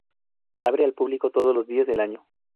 Abre al público todos los días del año.